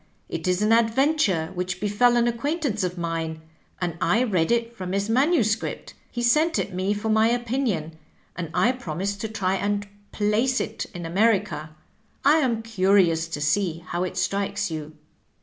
It is an adventure which befell an acquaintance of mine, and I read it from his manuscript. He sent it me for my opinion, and I promised to try and ^ place' it in America. I am curious to see how it strikes you."